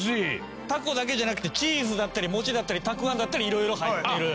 タコだけじゃなくてチーズだったりもちだったりたくあんだったり色々入ってる。